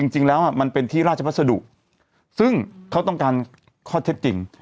จริงแล้วมันเป็นที่ราชพัสดุซึ่งเขาต้องการข้อเท็จจริง